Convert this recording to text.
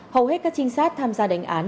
hầu hết các trinh sát tham gia đánh án